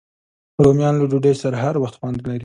رومیان له ډوډۍ سره هر وخت خوند لري